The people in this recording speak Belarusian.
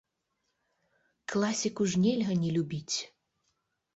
Класіку ж нельга не любіць!